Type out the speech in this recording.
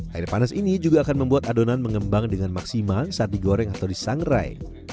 air panas ini juga akan membuat adonan mengembang dengan maksimal saat digoreng atau disangrai